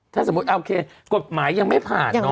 ถ้าสมมุติโอเคกฎหมายยังไม่ผ่านเนาะ